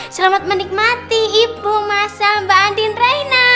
selamat menikmati ibu ma sama mbak andin reina